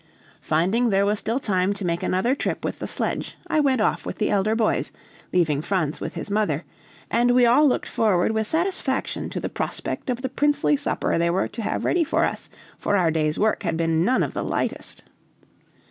Finding there was still time to make another trip with the sledge, I went off with the elder boys, leaving Franz with his mother; and we all looked forward with satisfaction to the prospect of the princely supper they were to have ready for us, for our day's work had been none of the lightest.